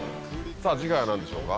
さぁ次回は何でしょうか。